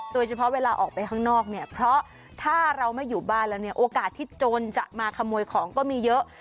เวลาออกไปข้างนอกเนี่ยเพราะถ้าเราไม่อยู่บ้านแล้วเนี่ยโอกาสที่โจรจะมาขโมยของก็มีเยอะ